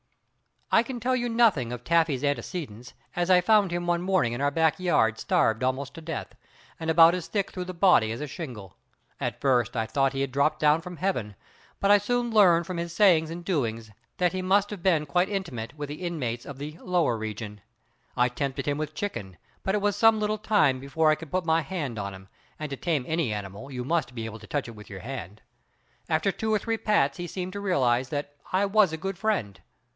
I can tell you nothing of Taffy's antecedents, as I found him one morning in our back yard starved almost to death, and about as thick through the body as a shingle. At first I thought he had dropped down from Heaven, but I soon learned from his sayings and doings that he must have been quite intimate with the inmates of the lower region. I tempted him with chicken but it was some little time before I could put my hand on him; and to tame any animal you must be able to touch it with your hand. After two or three pats he seemed to realize that I was a good friend.